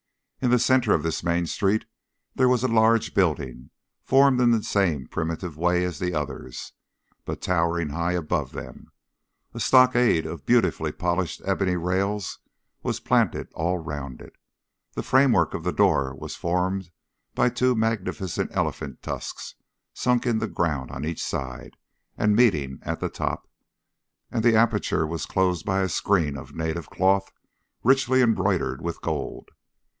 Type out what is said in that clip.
In the centre of this main street there was a large building, formed in the same primitive way as the others, but towering high above them; a stockade of beautifully polished ebony rails was planted all round it, the framework of the door was formed by two magnificent elephant's tusks sunk in the ground on each side and meeting at the top, and the aperture was closed by a screen of native cloth richly embroidered with gold.